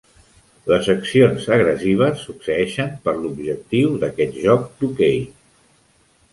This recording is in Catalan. Les accions agressives succeeixen per l'objectiu d'aquest joc d'hoquei.